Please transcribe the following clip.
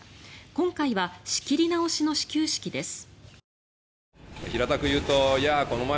今回は仕切り直しの始球式です。